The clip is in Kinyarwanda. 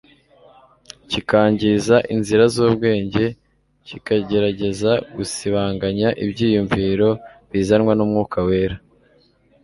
kikangiza inzira z'ubwenge kikagerageza gusibanganya ibiyumviro bizanwa n'Umwuka Wera.